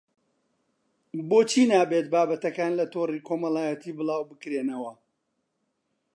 بۆچی نابێت بابەتەکان لە تۆڕی کۆمەڵایەتی بڵاوبکرێنەوە